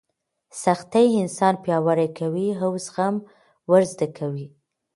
سختۍ انسان پیاوړی کوي او زغم ور زده کوي.